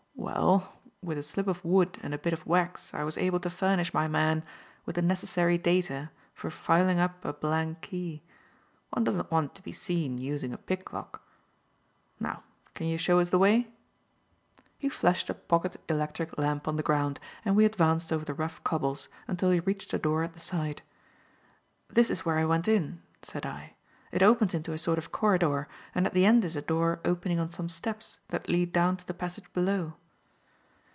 Well, with a slip of wood and a bit of wax I was able to furnish my man with the necessary data for filing up a blank key. One doesn't want to be seen using a picklock. Now, can you show us the way?" He flashed a pocket electric lamp on the ground, and we advanced over the rough cobbles until we reached a door at the side. "This is where I went in," said I. "It opens into a sort of corridor, and at the end is a door opening on some steps that lead down to the passage below."